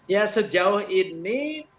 ya sejauh ini